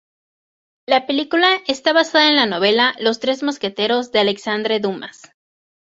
La película está basada en la novela "Los tres mosqueteros" de Alexandre Dumas.